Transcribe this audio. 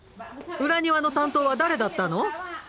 裏庭の担当は誰だったの？